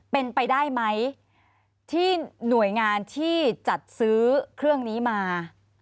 เป็นไปได้ไหมที่หน่วยงานที่จัดซื้อเครื่องนี้มา